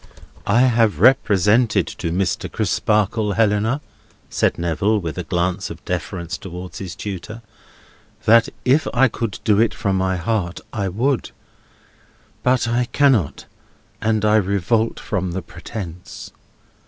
"I have represented to Mr. Crisparkle, Helena," said Neville, with a glance of deference towards his tutor, "that if I could do it from my heart, I would. But I cannot, and I revolt from the pretence.